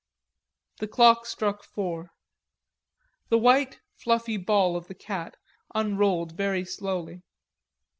The clock struck four. The white fluffy ball of the cat unrolled very slowly.